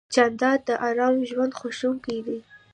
جانداد د ارام ژوند خوښوونکی دی.